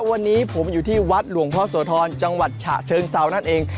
วันนี้ผมอยู่ที่วัดหลวงพ่อโสธรจังหวัดฉะเชิงเซานั่นเอง